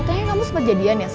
katanya kamu seperti dia nih asma